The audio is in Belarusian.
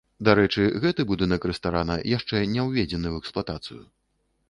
Дарэчы, гэты будынак рэстарана яшчэ не ўведзены ў эксплуатацыю.